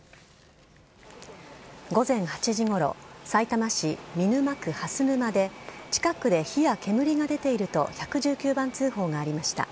午前８時ごろ、さいたま市見沼区はすぬまで、近くで火や煙が出ていると、１１９番通報がありました。